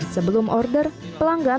sebelum order pelanggan